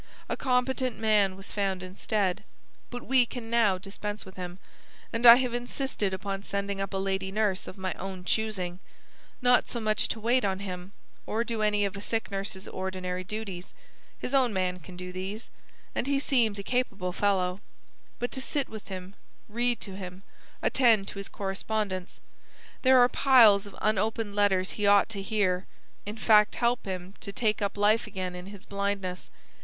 A competent man was found instead. But we can now dispense with him, and I have insisted upon sending up a lady nurse of my own choosing; not so much to wait on him, or do any of a sick nurse's ordinary duties his own man can do these, and he seems a capable fellow but to sit with him, read to him, attend to his correspondence, there are piles of unopened letters he ought to hear, in fact help him to take up life again in his blindness.